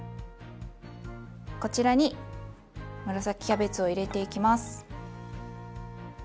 こちらに紫キャベツを入れていきます。